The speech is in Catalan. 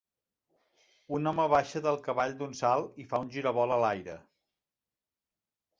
Un home baixa del cavall d'un salt i fa un giravolt a l'aire